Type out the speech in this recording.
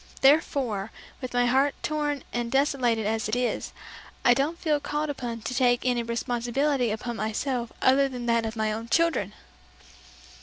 Therefore, with my heart torn and desolated as it is, I don't feel called upon to take any responsibility upon myself other than that of my own children!'"